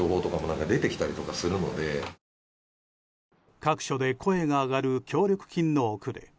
各所で声が上がる協力金の遅れ。